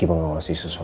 iya gak bisa diserah